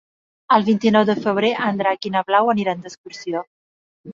El vint-i-nou de febrer en Drac i na Blau aniran d'excursió.